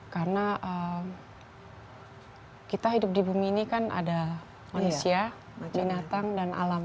karena kita hidup di bumi ini kan ada manusia binatang dan alam